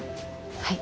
はい。